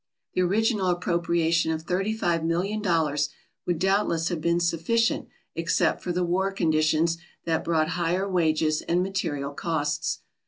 The original appropriation of thirty five million dollars would doubtless have been sufficient except for the war conditions that brought higher wages and material costs.